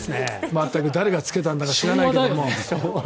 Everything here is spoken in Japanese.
全く誰がつけたんだか知らないけれども。